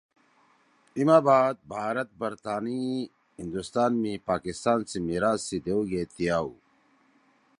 ای ما بعد بھارت برطانی ہندوستان می پاکستان سی میراث سی دیؤ گے تیا ہُو